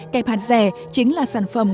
kẹp hạt rẻ chính là sản phẩm